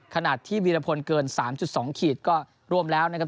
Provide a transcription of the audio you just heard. ขนาดที่วีรพลเกินสามจุดสองขีดก็ร่วมแล้วนะครับ